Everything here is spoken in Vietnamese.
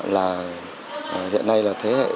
là hiện nay là thế hệ